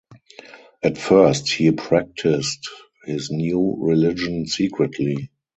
At first he practised his new religion secretly.